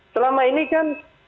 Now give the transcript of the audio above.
selama ini kan